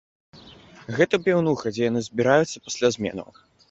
Гэта піўнуха, дзе яны збіраюцца пасля зменаў.